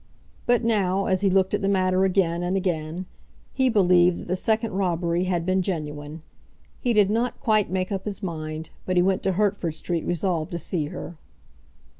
But now, as he looked at the matter again and again, he believed that the second robbery had been genuine. He did not quite make up his mind, but he went to Hertford Street resolved to see her.